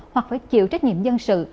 hoặc phải chịu trách nhiệm dân sự